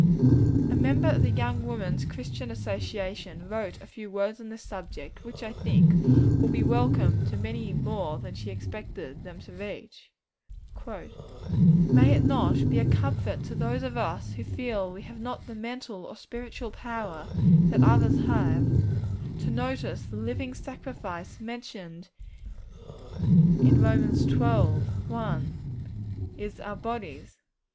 A member of the Young Women's Christian Association wrote a few words on this subject, which, I think, will be welcome to many more than she expected them to reach: 'May it not be a comfort to those of us who feel we have not the mental or spiritual power that others have, to notice that the living sacrifice mentioned in Rom. xii. 1 is our "bodies"?